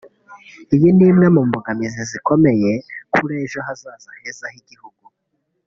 Iyi ni imwe mu mbogamizi zikomeye kuri ejo hazaza heza h’igihugu